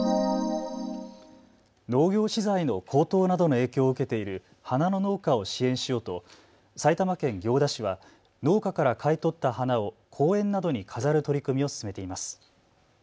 農業資材の高騰などの影響を受けている花の農家を支援しようと埼玉県行田市は農家から買い取った花を公園などに飾る取り組みを進めています。